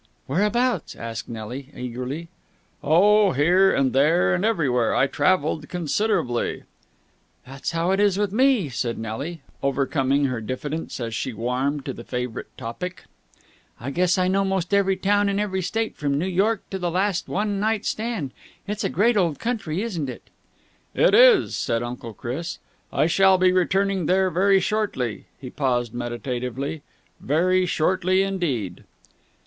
"Whereabouts?" asked Nelly eagerly. "Oh, here and there and everywhere. I travelled considerably." "That's how it is with me," said Nelly, overcoming her diffidence as she warmed to the favourite topic. "I guess I know most every town in every State, from New York to the last one night stand. It's a great old country, isn't it?" "It is!" said Uncle Chris. "I shall be returning there very shortly." He paused meditatively. "Very shortly indeed."